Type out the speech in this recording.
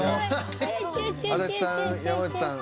足立さん山内さん